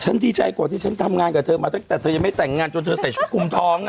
ดีใจกว่าที่ฉันทำงานกับเธอมาตั้งแต่เธอยังไม่แต่งงานจนเธอใส่ชุดคุมท้อง